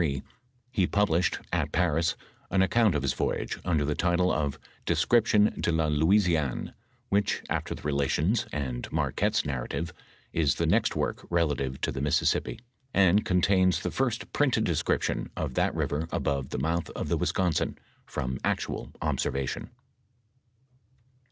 xxztU 1688, he published, at Parii^ an account of hit rojage under the title of Deeoription de la Lonieiano, which after the Relations, and Marquette's narrative, is the next work relative to the Mississippi, and contains the first printed de scription ( f that river above the month of the Wisconsin, from actual observation.